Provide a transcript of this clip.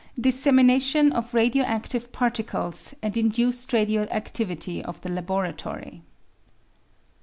Dissemination of Radio active Particles and Induced Radio activity of the Laboratory